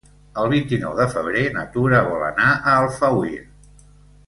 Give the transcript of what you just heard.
El vint-i-nou de febrer na Tura vol anar a Alfauir.